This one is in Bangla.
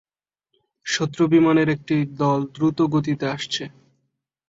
শত্রু বিমানের একটা দল দ্রুত গতিতে আসছে।